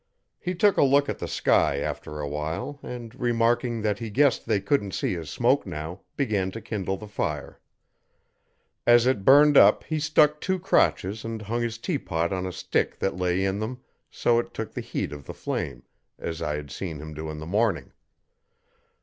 He took a look at the sky after a while, and, remarking that he guessed they couldn't see his smoke now, began to kindle the fire. As it burned up he stuck two crotches and hung his teapot on a stick' that lay in them, so it took the heat of the flame, as I had seen him do in the morning.